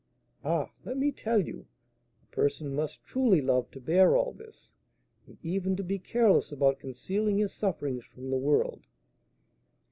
Ah! let me tell you, a person must truly love to bear all this, and even to be careless about concealing his sufferings from the world."